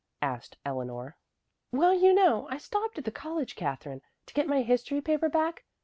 asked Eleanor. "Well, you know I stopped at the college, Katherine, to get my history paper back.